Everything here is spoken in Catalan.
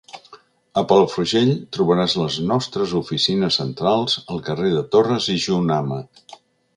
A Palafrugell trobaràs les nostres oficines centrals al carrer de Torres i Jonama.